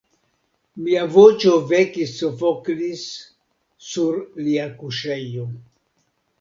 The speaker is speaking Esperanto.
Mia voĉo vekis Sofoklis sur lia kuŝejo.